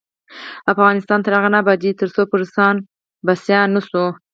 افغانستان تر هغو نه ابادیږي، ترڅو پر ځان بسیا نشو.